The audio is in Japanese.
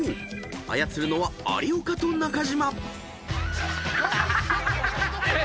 操るのは有岡と中島］